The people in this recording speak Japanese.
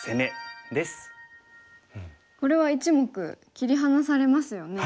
これは１目切り離されますよね。